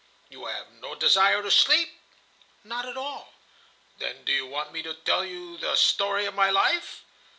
"You have no desire to sleep?" "Not at all." "Then do you want me to tell you the story of my life?"